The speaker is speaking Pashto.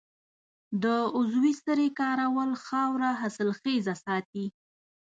د عضوي سرې کارول خاوره حاصلخیزه ساتي.